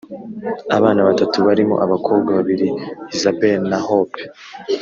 abana batatu barimo abakobwa babiri, isabelle na hope,